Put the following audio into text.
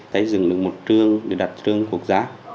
xây dựng được một trường để đạt trường quốc giá